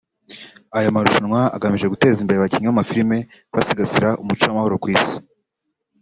Aya marushanwa agamije guteza imbere abakinnyi b’amafilime basigasira umuco w’amahoro ku isi hose